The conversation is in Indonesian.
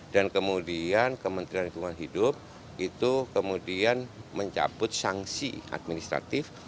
dan kemudian kementerian lingkungan hidup itu kemudian mencabut sanksi administratif